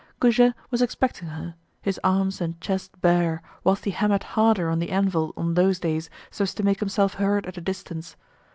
Goujet was expecting her, his arms and chest bare, whilst he hammered harder on the anvil on those days so as to make himself heard at a distance.